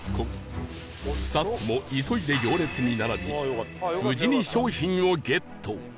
スタッフも急いで行列に並び無事に商品をゲット！